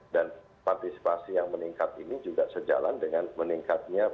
dan partisipasi yang meningkat ini juga sejalan dengan meningkatnya